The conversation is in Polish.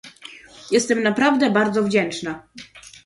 Jestem naprawdę bardzo wdzięczna